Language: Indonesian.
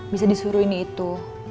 bisa disuruh ini itu